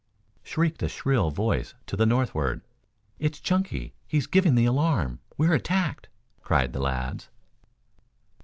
shrieked a shrill voice to the northward. "It's Chunky. He's giving the alarm! We're attacked!" cried the lads.